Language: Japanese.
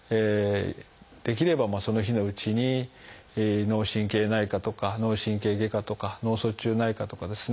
できればその日のうちに脳神経内科とか脳神経外科とか脳卒中内科とかですね